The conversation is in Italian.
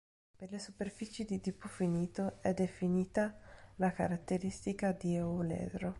Per le superfici di tipo finito è definita la caratteristica di Eulero.